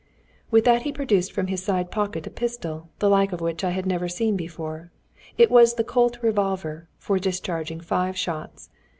With that he produced from his side pocket a pistol, the like of which I had never seen before. It was the Colt revolver, for discharging five shots.